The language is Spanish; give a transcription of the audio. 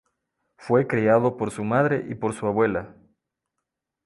Fue criado por su madre y por su abuela.